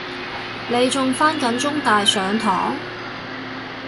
你仲返緊中大上堂？